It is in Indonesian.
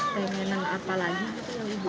pengen apa lagi